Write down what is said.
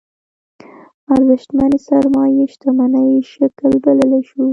ارزشمنې سرمايې شتمنۍ شکل بللی شو.